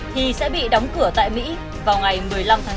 thì sẽ bị đóng cửa tại mỹ vào ngày một mươi năm tháng chín